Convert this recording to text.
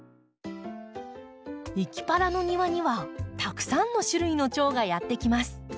「いきパラ」の庭にはたくさんの種類のチョウがやって来ます。